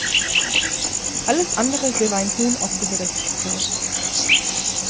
Alles andere wäre ein Hohn auf die Gerechtigkeit.